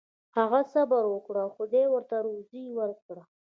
هغه صبر وکړ او خدای ورته روزي ورکړه.